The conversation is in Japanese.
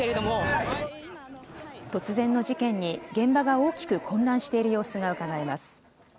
突然の事件に、現場が大きく混乱している様子がうかがえます。